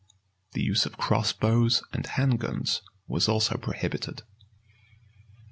[v] The use of crossbows and handguns was also prohibited.